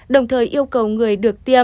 đồng thời yêu cầu người được tiêm